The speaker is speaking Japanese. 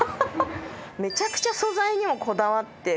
めちゃくちゃ素材にもこだわって。